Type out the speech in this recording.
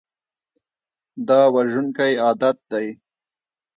دا وژونکی عادت دی.